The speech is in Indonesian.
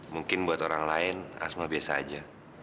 mungkin buat orang lain asma biasa aja